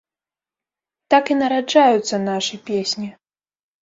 Так і нараджаюцца нашы песні.